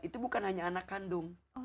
itu bukan hanya anak kandung